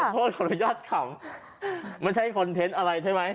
ขออนุญาตขำไม่ใช่คอนเทนต์อะไรใช่ไหม